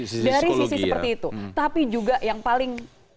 psikologi tapi juga yang